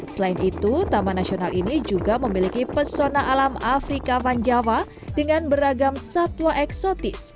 selain itu taman nasional ini juga memiliki pesona alam afrika vanjawa dengan beragam satwa eksotis